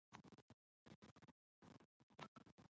Musically, it is written in a Jewish klezmer style.